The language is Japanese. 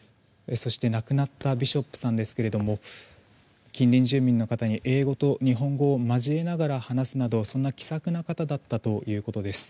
そして、亡くなったビショップさんですけども近隣住民の方に英語と日本語を混ぜて話すなど、そんな気さくな方だったというようです。